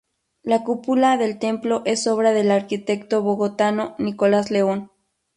La cúpula del templo es obra del arquitecto bogotano Nicolás León.